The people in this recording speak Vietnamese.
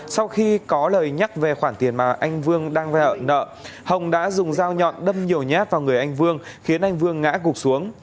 sau khi có lời nhắc về khoản tiền mà anh vương đang vọ nợ hồng đã dùng dao nhọn đâm nhiều nhát vào người anh vương khiến anh vương ngã gục xuống